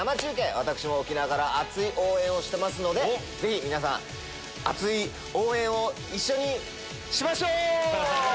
私も沖縄から熱い応援をしてますのでぜひ皆さん熱い応援を一緒にしましょう！